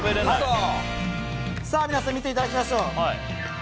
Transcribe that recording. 皆さん見ていただきましょう。